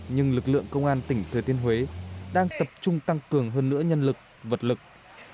nhưng không ngăn được những nỗ lực của những người công nhân tìm kiếm những người có mất tích